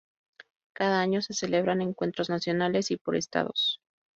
Cada año se celebran encuentros nacionales y por estados.